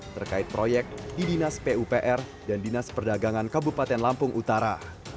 terkait proyek di dinas pupr dan dinas perdagangan kabupaten lampung utara